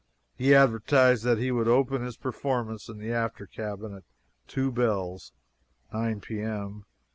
He advertised that he would "open his performance in the after cabin at 'two bells' (nine P.M.)